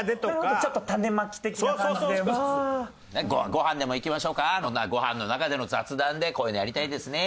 「ご飯でも行きましょうか」のご飯の中での雑談で「こういうのやりたいですね」。